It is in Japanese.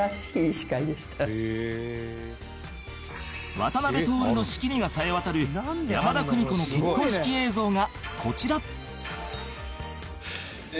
渡辺徹の仕切りがさえ渡る山田邦子の結婚式映像がこちら